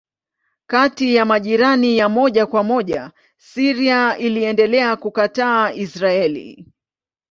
Kati ya majirani ya moja kwa moja Syria iliendelea kukataa Israeli.